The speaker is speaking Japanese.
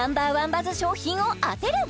バズ商品を当てる！